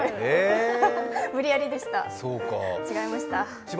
無理やりでした、違いました。